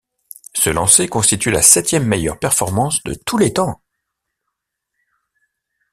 Ce lancer constitue la septième meilleure performance de tous les temps.